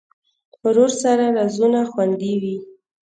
ورور سره رازونه خوندي وي.